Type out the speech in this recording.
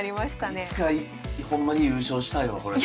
いつかほんまに優勝したいわこれで。